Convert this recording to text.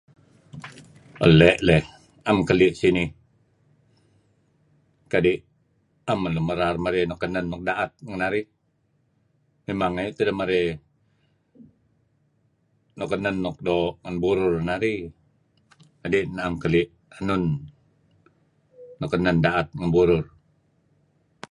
Ele' leh am keli' sinih. Kadi' am man lun merar marey nuk enen nuk daat ngen narih. Mimang ayu' tideh marey nuk kanen nuk doo'. Burur narih kadi' naem kli' enun nuk kanen daet ngen burur.